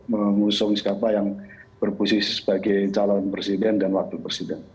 mengusung siapa yang berposisi sebagai calon presiden dan wakil presiden